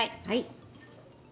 はい。